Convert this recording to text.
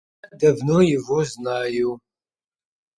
Я давно его знаю.